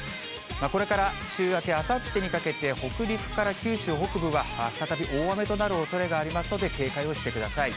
これから週明け、あさってにかけて北陸から九州北部は再び大雨となるおそれがありますので、警戒をしてください。